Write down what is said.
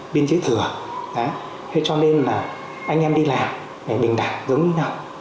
binh chế thừa thế cho nên là anh em đi làm bình đẳng giống như nhau